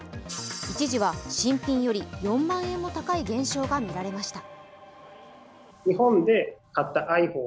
一時は新品より４万円も高い現象がみられました。